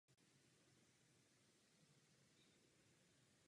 Na saský trůn po něm nastoupil jeho prvorozený syn Antonín.